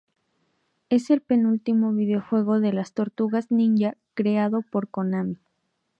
Es el penúltimo videojuego de las Tortugas Ninja creado por Konami.